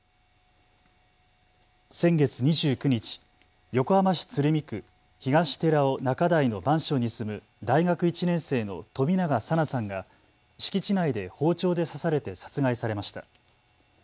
先月２９日、横浜市鶴見区東寺尾中台のマンションに住む大学１年生の冨永紗菜さんが敷地内で包丁で刺されて殺害されました。